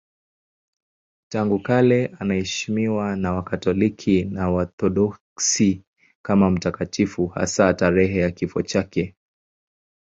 Tangu kale anaheshimiwa na Wakatoliki na Waorthodoksi kama mtakatifu, hasa tarehe ya kifo chake.